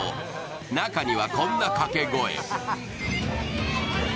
中にはこんな掛け声も。